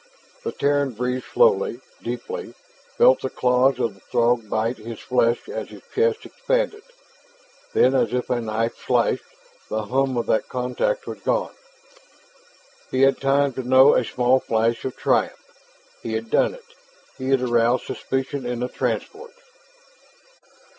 The Terran breathed slowly, deeply, felt the claws of the Throg bite his flesh as his chest expanded. Then, as if a knife slashed, the hum of that contact was gone. He had time to know a small flash of triumph. He had done it; he had aroused suspicion in the transport.